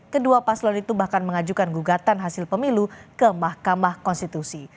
kedua paslon itu bahkan mengajukan gugatan hasil pemilu ke mahkamah konstitusi